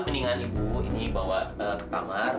mendingan ibu ini bawa ke kamar